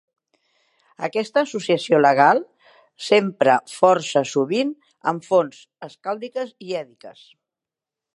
Aquesta associació legal s'empra força sovint en fonts skàldiques i èddiques.